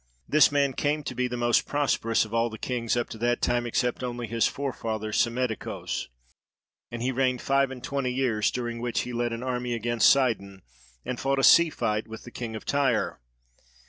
This man came to be the most prosperous of all the kings up to that time except only his forefather Psammetichos; and he reigned five and twenty years, during which he led an army against Sidon and fought a sea fight with the king of Tyre.